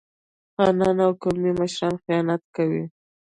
خانان او قومي مشران خیانت کوي.